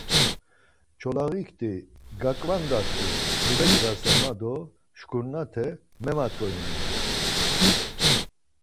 Çolağik ti; gaǩvandat̆i, mibecğasen ma do şkurnate memat̆ǩorinu ya.